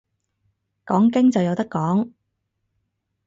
講經就有得講